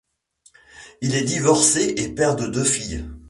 Il est divorcé et père de deux filles.